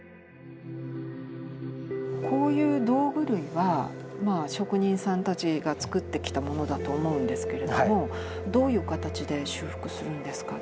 こういう道具類は職人さんたちが作ってきたものだと思うんですけれどもどういう形で修復するんですか？